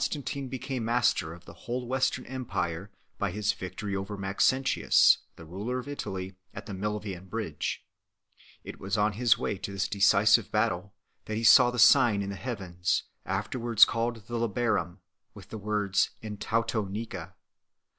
But in the year 312 Constantino became master of the whole western empire by his victory over Maxentius, the ruler of Italy, at the Milvian bridge. It was on his way to this decisive battle that he saw the sign in the heavens (), afterwards called the Labarum 1 , with the words TOVTW vUa.